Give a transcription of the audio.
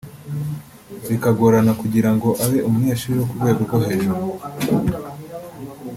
bikagorana kugira ngo abe umunyeshuri wo ku rwego rwo hejuru